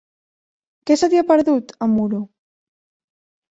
Què se t'hi ha perdut, a Muro?